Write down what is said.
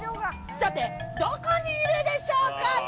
さてどこにいるでしょうか？